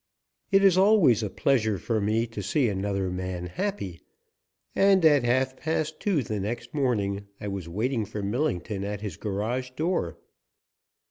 It is always a pleasure for me to see another man happy, and at half past two the next morning I was waiting for Millington at his garage door.